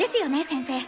先生。